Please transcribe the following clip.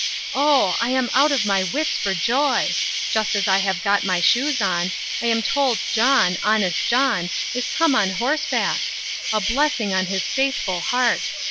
Oh! I am out of my wits for joy! Just as I have got my shoes on, I am told John, honest John, is come on horseback!—A blessing on his faithful heart!